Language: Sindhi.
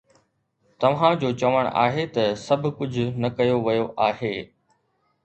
توهان جو چوڻ آهي ته سڀ ڪجهه نه ڪيو ويو آهي